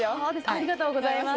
ありがとうございます。